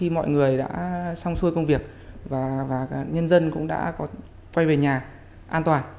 mọi người đã xong xuôi công việc và nhân dân cũng đã có quay về nhà an toàn